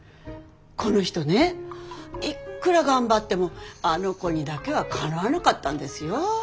この人ねいっくら頑張ってもあの子にだけはかなわなかったんですよ。